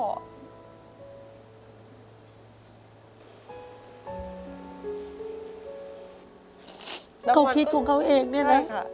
เขาคิดของเขาเองนี่แหละค่ะ